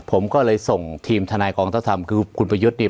ผมก็เลยส่งทีมทนายกองทัพธรรมคือคุณประยุทธ์เนี่ย